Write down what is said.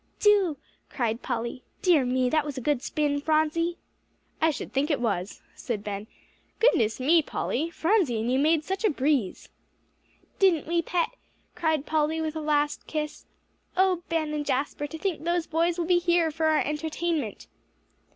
"Do," cried Polly. "Dear me! that was a good spin, Phronsie!" "I should think it was," said Ben. "Goodness me! Polly, Phronsie and you made such a breeze!" "Didn't we, Pet!" cried Polly, with a last kiss. "Oh Ben and Jasper, to think those boys will be here for our entertainment!"